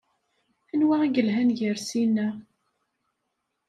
Anwa i yelhan gar sin-a?